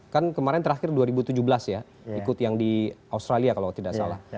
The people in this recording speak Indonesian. kan kemarin terakhir dua ribu tujuh belas ya ikut yang di australia kalau tidak salah